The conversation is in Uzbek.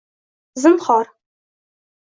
Zinhor